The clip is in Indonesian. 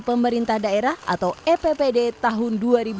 pemerintah daerah atau eppd tahun dua ribu dua puluh